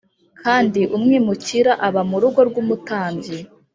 Kandi umwimukira uba mu rugo rw, umutambyi